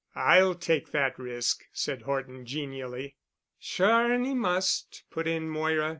"I'll take that risk," said Horton genially. "Sure and he must," put in Moira.